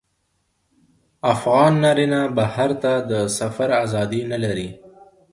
افغان نارینه بهر ته د سفر ازادي نه لري.